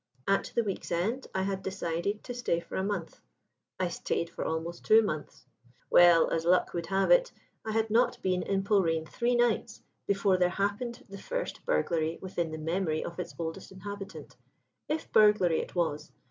At the week's end I had decided to stay for a month. I stayed for almost two months. "Well, as luck would have it, I had not been in Polreen three nights before there happened the first burglary within the memory of its oldest inhabitant if burglary it was.